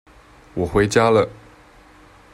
我回家了